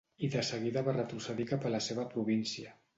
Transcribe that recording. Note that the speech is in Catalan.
I de seguida va retrocedir cap a la seva província.